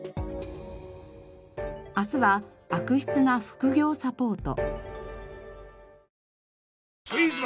明日は悪質な副業サポート。